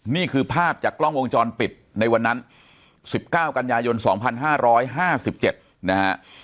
นี่คือภาพจากกล้องวงจรปิดในวันนั้น๑๙กันยายน๒๕๕๗นะฮะ